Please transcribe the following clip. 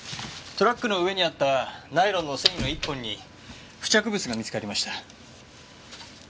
トラックの上にあったナイロンの繊維の１本に付着物が見つかりました。